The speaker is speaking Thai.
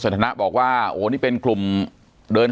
ปากกับภาคภูมิ